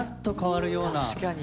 確かに。